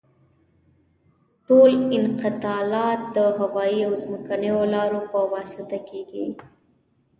ټول انتقالات د هوایي او ځمکنیو لارو په واسطه کیږي